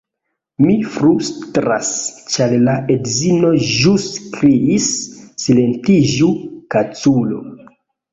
Mi flustras ĉar la edzino ĵus kriis "Silentiĝu kaculo!"